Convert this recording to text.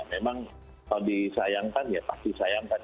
memang kalau disayangkan ya pasti sayangkan